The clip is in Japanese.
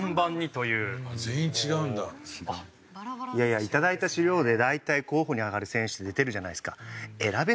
いやいや頂いた資料で大体候補に挙がる選手出てるじゃないですか。